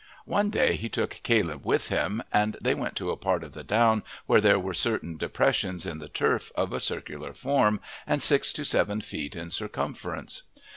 One day he took Caleb with him, and they went to a part of the down where there were certain depressions in the turf of a circular form and six to seven feet in circumference.